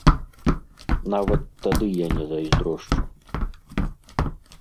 Нават тады я не зайздрошчу.